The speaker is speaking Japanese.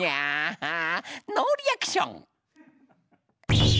ノーリアクション！